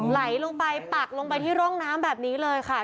ไหลไปปักลงโรงน้ำแบบนี้เลยค่ะ